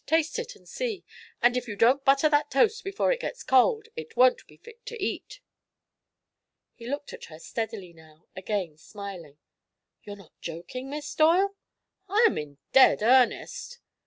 Taste it and see. And if you don't butter that toast before it gets cold it won't be fit to eat." He looked at her steadily now, again smiling. "You're not joking, Miss Doyle?" "I'm in dead earnest."